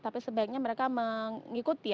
tapi sebaiknya mereka mengikuti